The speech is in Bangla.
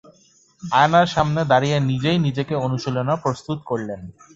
আয়নার সামনে দাঁড়িয়ে নিজেই নিজেকে অনুশীলনে প্রস্তুত করলেন।